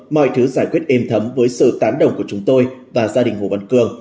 mọi thứ giải quyết êm thấm với sự tán đồng của chúng tôi và gia đình hồ văn cường